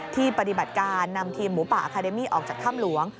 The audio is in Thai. ปฏิบัติการนำทีมหมูป่าอาคาเดมี่ออกจากถ้ำหลวง